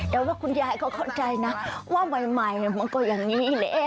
แต่ว่าคุณยายเขาเข้าใจนะว่าใหม่มันก็อย่างนี้แหละ